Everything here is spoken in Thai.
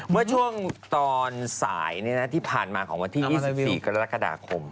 เมื่อช่วงตอนสายที่ผ่านมาของวันที่๒๔กรกฎาคม